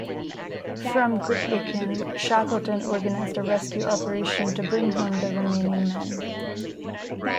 From Grytviken, Shackleton organised a rescue operation to bring home the remaining men.